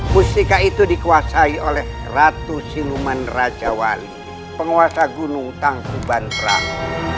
mustika itu dikuasai oleh ratu siluman raja wali penguasa gunung tangsuban perahu